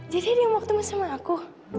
jadi dia mau ketemu sama aku